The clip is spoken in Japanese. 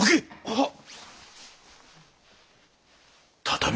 はっ！